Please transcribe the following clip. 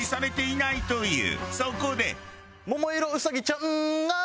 そこで。